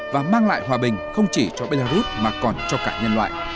và mang lại hòa bình không chỉ cho belarus mà còn cho cả nhân loại